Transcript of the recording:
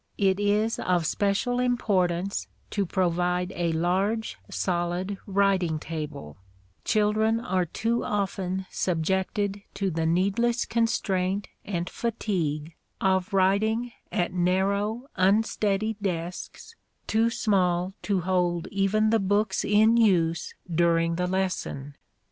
It is of special importance to provide a large, solid writing table: children are too often subjected to the needless constraint and fatigue of writing at narrow unsteady desks, too small to hold even the books in use during the lesson.